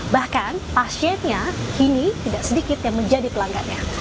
bahkan pasiennya kini tidak sedikit yang menjadi pelanggannya